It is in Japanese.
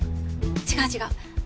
違う違う。